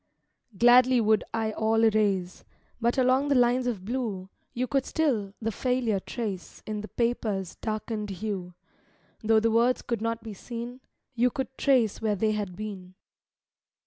Gladly would I all erase; But along the lines of blue You could still the failure trace In the paper's darkened hue; Though the words could not be seen, You could trace where they had been.